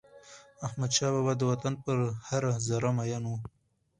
احمدشاه بابا د وطن پر هره ذره میین و.